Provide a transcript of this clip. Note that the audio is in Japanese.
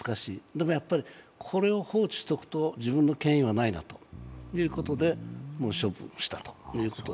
でも、やっぱりこれを放置しておくと自分の権威はないということで処分したということ。